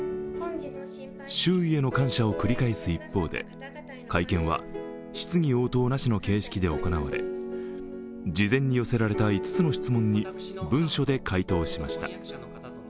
周囲への感謝を繰り返す一方で会見は質疑応答なしの形式で行われ事前に寄せられた５つの質問に文書で回答しました。